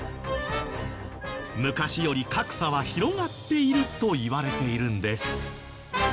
昔より格差は広がっているといわれているんです。